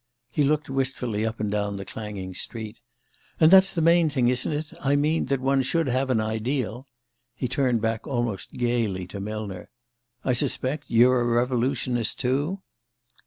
He looked wistfully up and down the clanging street. "And that's the main thing, isn't it? I mean, that one should have an Ideal." He turned back almost gaily to Millner. "I suspect you're a revolutionist too!"